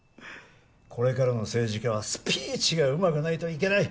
これからの政治家はスピーチがうまくないといけない。